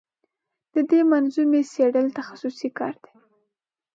د دې منظومې څېړل تخصصي کار دی.